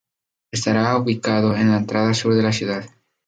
Estará ubicado en la entrada sur de la ciudad.